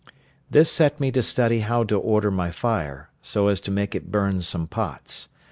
This set me to study how to order my fire, so as to make it burn some pots.